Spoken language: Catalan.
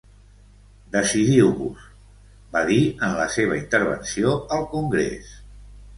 Decidiu-vos, va dir en la seva intervenció al congrés.